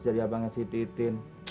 jadi abangnya si titin